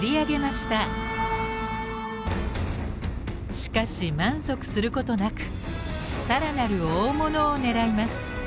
しかし満足することなく更なる大物を狙います。